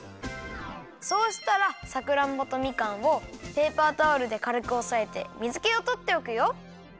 そうしたらさくらんぼとみかんをペーパータオルでかるくおさえて水けをとっておくよ。